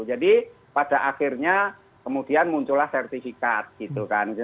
jadi pada akhirnya kemudian muncullah sertifikat gitu kan